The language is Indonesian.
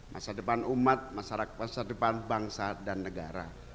masa depan umat masa depan bangsa dan negara